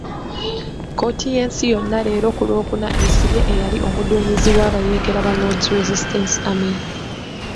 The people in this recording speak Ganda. Kkooti y'ensi yonna leero ku Lwokuna esibye eyali omuduumizi w'abayeekera ba Lord's Resistance Army.